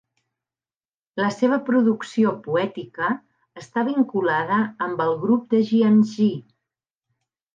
La seva producció poètica està vinculada amb el Grup de Jiangxi.